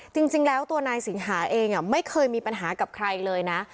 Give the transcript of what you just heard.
จริงแล้วตัวนายสิงหาเองไม่เคยมีปัญหากับใครเลยนะ